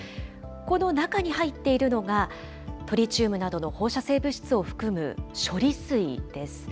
この中に入っているのが、トリチウムなどの放射性物質を含む処理水です。